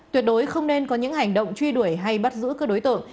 tuyệt đối không nên có những hành động truy đuổi hay bắt giữ các đối tượng